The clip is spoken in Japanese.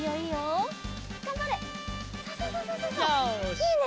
いいね！